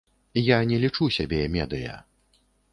Я не лічу сябе медыя.